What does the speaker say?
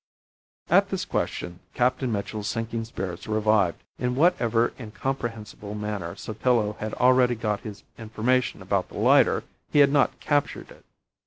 At this question Captain Mitchell's sinking spirits revived. In whatever incomprehensible manner Sotillo had already got his information about the lighter, he had not captured it.